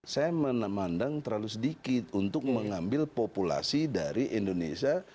saya memandang terlalu sedikit untuk mengambil populasi dari indonesia